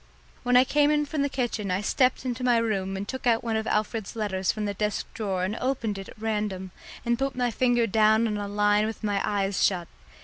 When I came from the kitchen I stepped into my room and took out one of Alfred's letters from the desk drawer and opened it at random, and put my finger down on a line with my eyes shut.